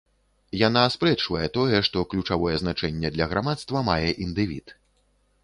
Яна аспрэчвае тое, што ключавое значэнне для грамадства мае індывід.